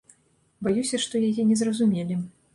Баюся, што яе не зразумелі.